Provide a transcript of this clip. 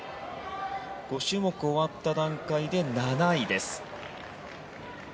５種目終わった段階で７位です。